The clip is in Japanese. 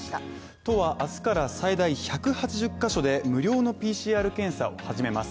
都は明日から最大１８０ヶ所で無料のＰＣＲ検査を始めます。